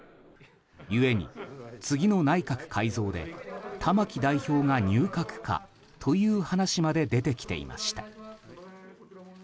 ゆえに次の内閣改造で玉木代表が入閣かという話まで出てきていました。